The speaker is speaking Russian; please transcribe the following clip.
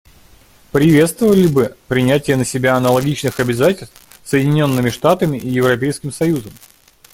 Приветствовали бы принятие на себя аналогичных обязательств Соединенными Штатами и Европейским союзом.